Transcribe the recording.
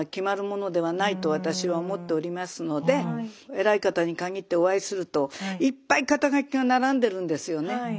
偉い方に限ってお会いするといっぱい肩書が並んでるんですよね。